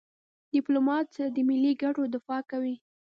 ډيپلومات د ملي ګټو دفاع کوي.